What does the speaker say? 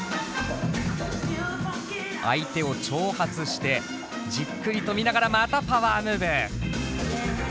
相手を挑発してじっくりと見ながらまたパワームーブ。